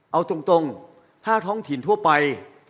เอาตรงถ้าท้องถิ่นทั่วไป